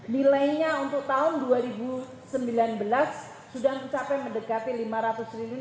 nilainya untuk tahun dua ribu sembilan belas sudah mencapai mendekati rp lima ratus triliun